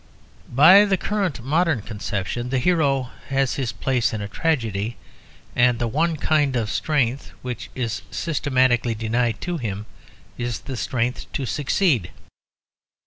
By the current modern conception, the hero has his place in a tragedy, and the one kind of strength which is systematically denied to him is the strength to succeed.